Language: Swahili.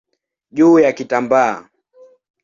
juu ya kitambaa.